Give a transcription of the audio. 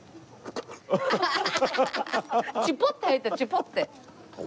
「チュポッ」って入った「チュポッ」って。